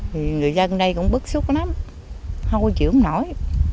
thì người dân đây cũng bức xúc lắm hôi chịu không nổi